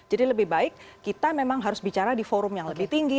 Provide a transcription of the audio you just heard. jadi lebih baik kita memang harus bicara di forum yang lebih tinggi